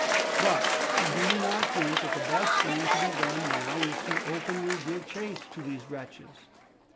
But do you not think that the best thing to be done now is to openly give chase to these wretches?"